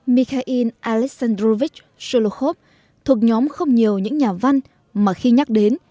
mikhail aleksandrovich solokhov thuộc nhóm không nhiều những nhà văn mà khi nhắc đến